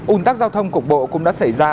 ủn tắc giao thông cục bộ cũng đã xảy ra